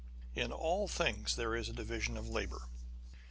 In all things there is a division of labour.